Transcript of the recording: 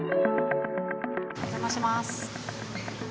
お邪魔します。